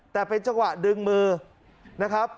แต่เป็นจังหวะดึงมือนะครับ